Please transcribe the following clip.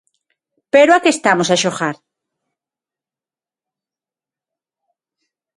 Pero, ¿a que estamos a xogar?